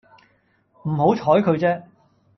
唔好採佢啫